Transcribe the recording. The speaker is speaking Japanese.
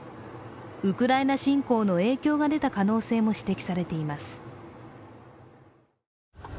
ウクライナ侵攻の影響が出た可能性も指摘されています。